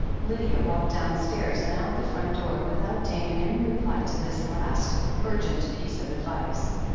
Lydia walked downstairs and out of the front door without deigning any reply to this last, urgent piece of advice.